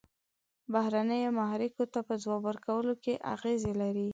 بهرنیو محرکو ته په ځواب ورکولو کې اغیزې لري.